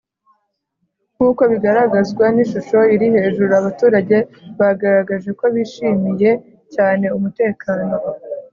Nk uko bigaragzwa n ishusho iri hejuru abaturage bagaragaje ko bishimiye cyane umutekano